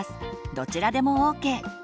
どちらでもＯＫ。